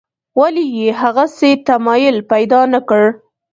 ولې یې هغسې تمایل پیدا نکړ.